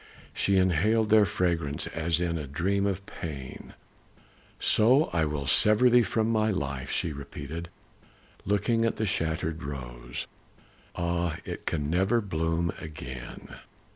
She inhaled their fragrance as in a dream of pain. "So I will sever thee from my life," she repeated, looking at the shattered rose. "Ah, it can never bloom again!"